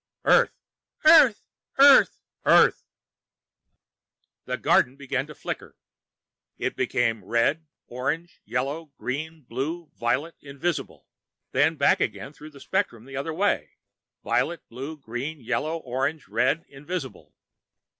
"Earth!" "Earth!" "EARTH! EARTH!" The garden was beginning to flicker. It became red, orange, yellow, green, blue, violet, invisible; then back again through the spectrum the other way violet, blue, green, yellow, orange, red, invisible.